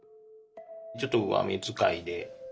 ちょっと上目づかいで。